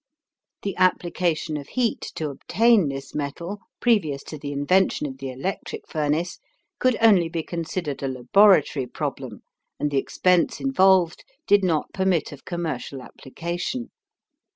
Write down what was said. The application of heat to obtain this metal previous to the invention of the electric furnace could only be considered a laboratory problem and the expense involved did not permit of commercial application.